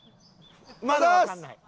まだわかんない。